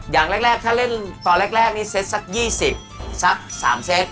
อย่างแรกถ้าเล่นตอนแรกนี่เซตสัก๒๐สัก๓เซต